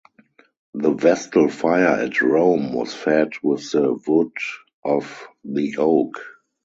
The Vestal fire at Rome was fed with the wood of the oak.